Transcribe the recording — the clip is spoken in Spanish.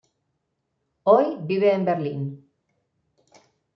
Hoy vive en Berlín.